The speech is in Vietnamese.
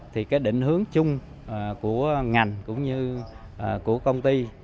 thì cái định hướng chung của ngành cũng như của công ty